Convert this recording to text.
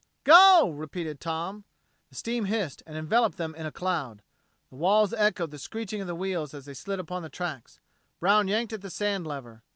"Go!" repeated Tom. The steam hissed and enveloped them in a cloud. The walls echoed the screeching of the wheels as they slid upon the tracks. Brown yanked at the sand lever.